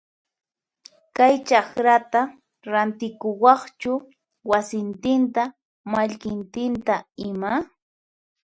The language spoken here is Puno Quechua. Kay chakrata rantikuwaqchu wasintinta mallkintinta ima?